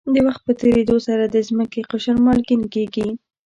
د وخت په تېرېدو سره د ځمکې قشر مالګین کېږي.